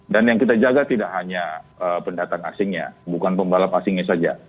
dan yang kita jaga tidak hanya pendatang asingnya bukan pembalap asingnya saja